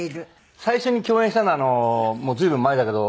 最初に共演したのはもう随分前だけど。